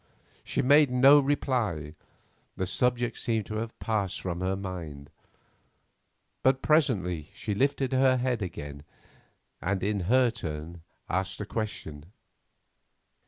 She made no reply, the subject seemed to have passed from her mind. But presently she lifted her head again, and in her turn asked a question.